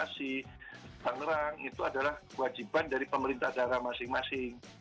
di tangerang itu adalah kewajiban dari pemerintah daerah masing masing